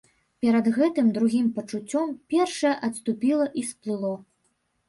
Перад гэтым другім пачуццём першае адступіла і сплыло.